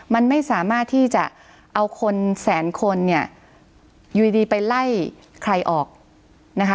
มันไม่สามารถที่จะเอาคนแสนคนเนี่ยอยู่ดีไปไล่ใครออกนะคะ